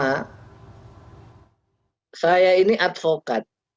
pertama saya ini advokat